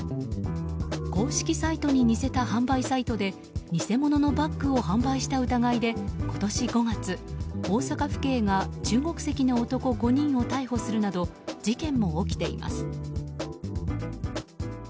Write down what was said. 公式サイトに似せた販売サイトで偽物のバッグを販売した疑いで今年５月、大阪府警が中国籍の男５人を逮捕するなど事件も起きています。